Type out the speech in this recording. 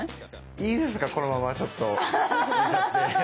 いいですかこのままちょっと寝ちゃって。